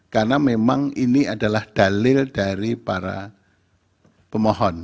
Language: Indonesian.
karena memang ini adalah dalil dari para pemohon